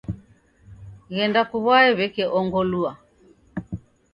Ghenda kuw'aye w'eke ongolua.